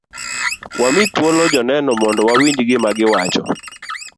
Wami thuolo joneneo mondo wawinj gima giwacho.